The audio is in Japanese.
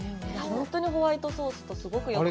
本当にホワイトソースとすごくよく合って。